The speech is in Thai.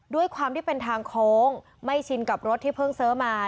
ด้วยความที่เป็นทางโค้งไม่ชินกับรถที่เพิ่งซื้อมา